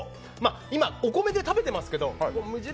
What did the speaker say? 今、お米で食べていますけど無印